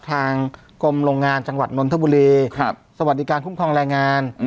ทางกรมโรงงานจังหวัดนนทบุรีสวัสดิการคุ้มครองแรงงาน